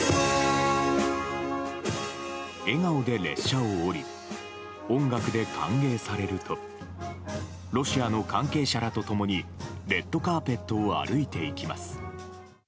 笑顔で列車を降り、音楽で歓迎されると、ロシアの関係者らとともに、レッドカーペットを歩いていきます。